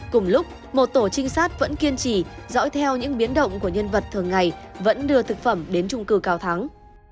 cùng lúc một tổ trinh sát vẫn kiên trì dõi theo những biến động của nhân vật thường ngày vẫn đưa thực phẩm đến trung cư cao thắng